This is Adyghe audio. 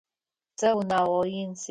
Сэ унагъо ин сиӏ.